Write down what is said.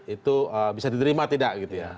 itu bisa diterima tidak gitu ya